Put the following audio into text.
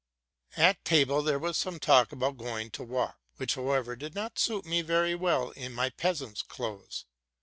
After dinner there was some talk about going to walk ; which, however, did not suit me very well in my peasant's clothes.